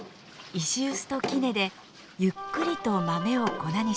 石臼と杵でゆっくりと豆を粉にします。